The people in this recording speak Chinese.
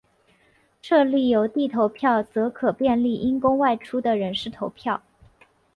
设立邮递投票则可便利因公外出的人士投票。